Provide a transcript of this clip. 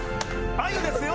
あゆですよ。